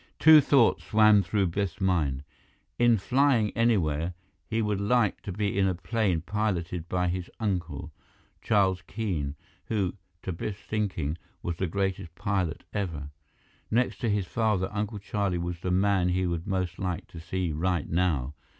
Two thoughts swam through Biff's mind. In flying anywhere, he would like to be in a plane piloted by his uncle, Charles Keene, who to Biff's thinking was the greatest pilot ever. Next to his father, Uncle Charlie was the man he would most like to see right now.